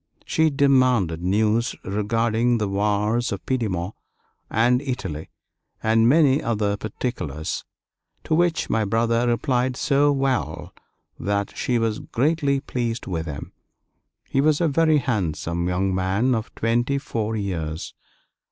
She demanded news regarding the wars of Piedmont and Italy, and many other particulars, to which my brother replied so well that she was greatly pleased with him. He was a very handsome young man of twenty four years.